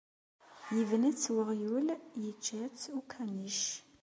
Yebna-tt uɣyul, yečča-tt ukanic.